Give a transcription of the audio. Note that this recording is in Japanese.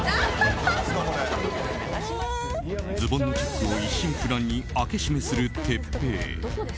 ズボンチャックを一心不乱に開け閉めする徹平。